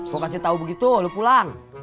gue kasih tau begitu lo pulang